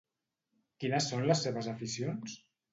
Quines són les seves aficions?